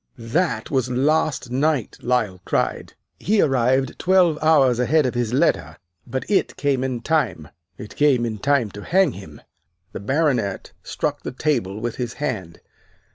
"'That was last night!' Lyle cried. 'He arrived twelve hours ahead of his letter but it came in time it came in time to hang him!'" The Baronet struck the table with his hand.